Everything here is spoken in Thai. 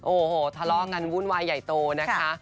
โอ้โหทะเลาะกันวุ่นวายใหญ่โตนะคะ